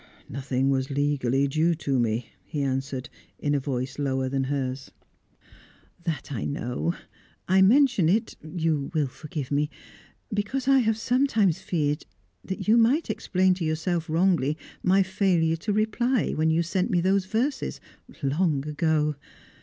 "Nothing was legally due to me," he answered, in a voice lower than hers. "That I know. I mention it you will forgive me? because I have sometimes feared that you might explain to yourself wrongly my failure to reply when you sent me those verses, long ago.